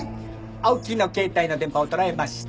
青木の携帯の電波を捉えました。